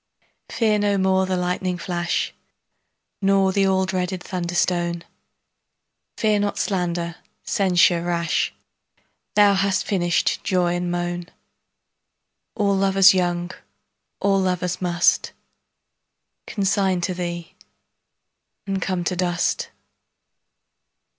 Fear no more the lightning flash, Nor the all dreaded thunder stone; Fear not slander, censure rash; Thou hast finish'd joy and moan:All lovers young, all lovers mustConsign to thee, and come to dust.